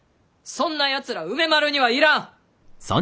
そんなやつらは梅丸には要らん。